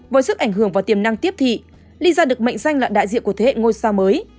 với sức ảnh hưởng và tiềm năng tiếp thị lyza được mệnh danh là đại diện của thế hệ ngôi sao mới